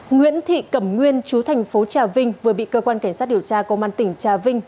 nguyễn thị cẩm nguyên chú thành phố trà vinh vừa bị cơ quan cảnh sát điều tra công an tỉnh trà vinh